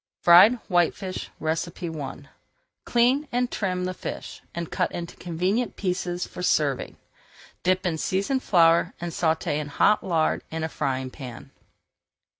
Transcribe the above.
FRIED WHITEFISH I Clean and trim the fish and cut into convenient pieces for serving. Dip in seasoned flour and sauté in hot lard in a frying pan.